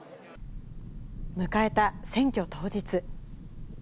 迎えた選挙当日。